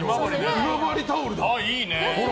今治タオルだ。